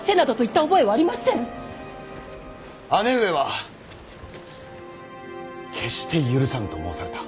姉上は決して許さぬと申された。